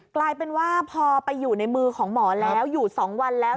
กลายเป็นว่าพอไปอยู่ในมือของหมอแล้วอยู่๒วันแล้ว